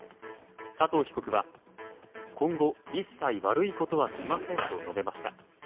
佐藤被告は今後一切悪いことはしませんと述べました。